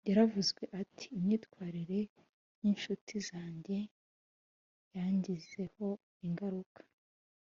Yaravuze ati “imyitwarire y incuti zanjye yangizeho ingaruka”